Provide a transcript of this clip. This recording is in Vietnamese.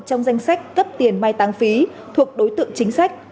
trong danh sách cấp tiền mai tăng phí thuộc đối tượng chính sách